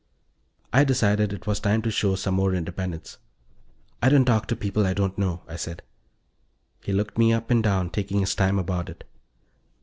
I decided it was time to show some more independence. "I don't talk to people I don't know," I said. He looked me up and down, taking his time about it.